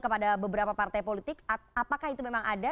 kepada beberapa partai politik apakah itu memang ada